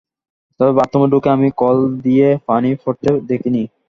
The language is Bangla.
তবে বাথরুমে ঢুকে আমি কল দিয়ে পানি পড়তে দেখি নি।